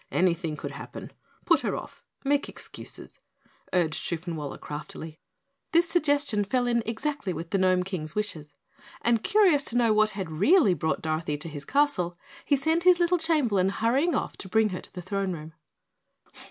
Anything could happen. Put her off make excuses," urged Shoofenwaller craftily. This suggestion fell in exactly with the Gnome King's wishes, and curious to know what really had brought Dorothy to his castle, he sent his little Chamberlain hurrying off to bring her to the throne room.